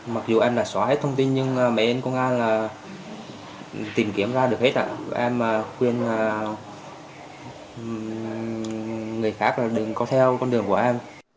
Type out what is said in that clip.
mặc dù em đã xóa hết thông tin nhưng mấy anh công an tìm kiếm ra được hết em khuyên người khác đừng có theo con đường của em